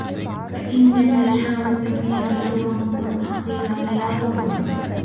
فَإِنَّ التَّجَاوُزَ فِيهَا جَوْرٌ ، وَالتَّقْصِيرَ فِيهَا ظُلْمٌ